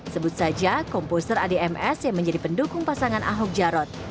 sebut saja komposer adms yang menjadi pendukung pasangan ahok jarot